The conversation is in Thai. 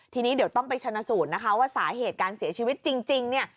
ทีนี้เดี๋ยวต้องไปชนสูญว่าสาเหตุการณ์เสียชีวิตจริงนี่